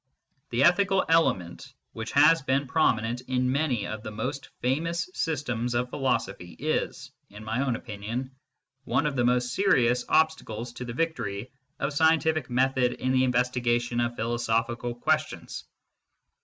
The ethical element which has been prominent in many of the most famous systems of philosophy is, in my opinion, one of the most serious obstacles to the victory of scientific method in the investigation of philo sophical questions.